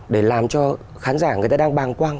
để làm cho khán giả người ta đang bàng quang